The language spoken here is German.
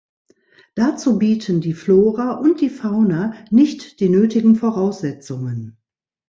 Dazu bieten die Flora und die Fauna nicht die nötigen Voraussetzungen.